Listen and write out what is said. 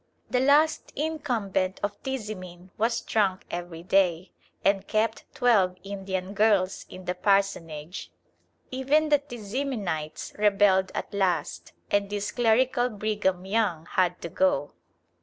The last incumbent of Tizimin was drunk every day, and kept twelve Indian girls in the parsonage. Even the Tiziminites rebelled at last, and this clerical Brigham Young had to go.